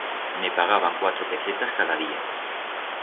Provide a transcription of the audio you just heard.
Me pagaban cuatro pecetas cada día.